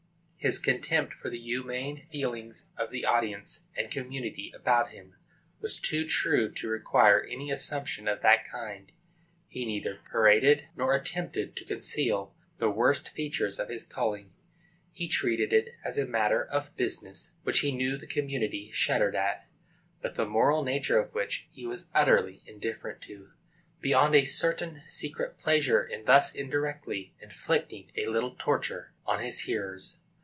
His contempt for the humane feelings of the audience and community about him was too true to require any assumption of that kind. He neither paraded nor attempted to conceal the worst features of his calling. He treated it as a matter of business which he knew the community shuddered at, but the moral nature of which he was utterly indifferent to, beyond a certain secret pleasure in thus indirectly inflicting a little torture on his hearers.